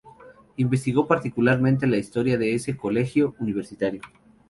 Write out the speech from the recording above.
Investigó particularmente la historia de ese colegio universitario.